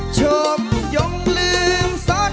ชมยงลืมสอนท้าย